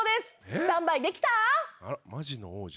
スタンバイできた？